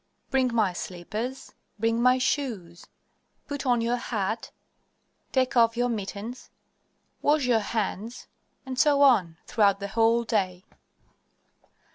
"Bring my slippers," "bring my shoes," "put on your hat," "take off your mittens," "wash your hands," etc., etc., throughout the whole day.